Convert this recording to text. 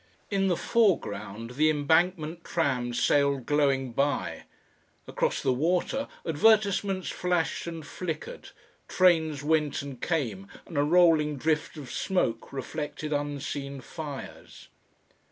In the foreground the Embankment trams sailed glowing by, across the water advertisements flashed and flickered, trains went and came and a rolling drift of smoke reflected unseen fires.